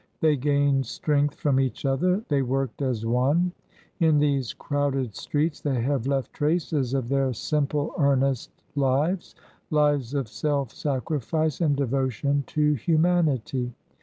They gained strength from each other; they worked as one. In these crowded streets they have left traces of their simple, earnest lives lives of self sacrifice and devotion to humanity.